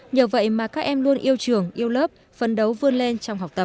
nhờ vậy mà các em luôn yêu trường yêu lớp phấn đấu vươn lên trong học tập